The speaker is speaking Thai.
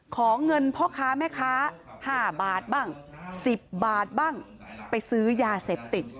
ขอเงินพ่อค้าแม่ค้า๕บาทบ้าง๑๐บาทบ้างไปซื้อยาเสพติด